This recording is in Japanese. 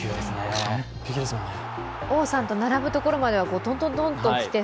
王さんと並ぶところまではトントントンときて